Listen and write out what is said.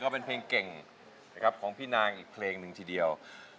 เป็นเพลงเก่งนะครับของพี่นางอีกเพลงหนึ่งทีเดียว